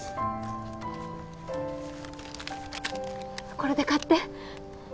これで買って